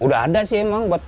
udah ada sih emang